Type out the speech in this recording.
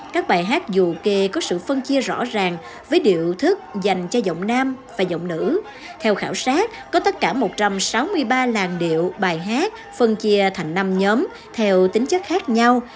các bài hát dù kê có sự phân chia rõ ràng với điệu thức dành cho giọng nam và giọng nữ theo khảo sát có tất cả một trăm sáu mươi ba làng điệu bài hát phân chia thành năm nhóm theo tính chất khác nhau